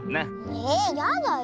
えっやだよ。